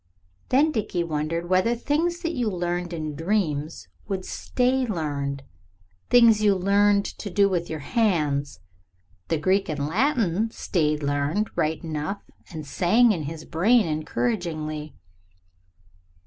Then Dickie wondered whether things that you learned in dreams would "stay learned." Things you learned to do with your hands. The Greek and the Latin "stayed learned" right enough and sang in his brain encouragingly.